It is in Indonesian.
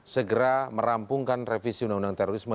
segera merampungkan revisi undang undang terorisme